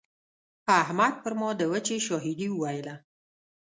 احمد پر ما د وچې شاهدي وويله.